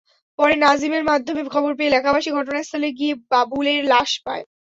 পরে নাজিমের মাধ্যমে খবর পেয়ে এলাকাবাসী ঘটনাস্থলে গিয়ে বাবুলের লাশ পায়।